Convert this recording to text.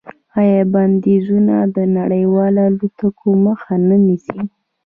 آیا بندیزونه د نویو الوتکو مخه نه نیسي؟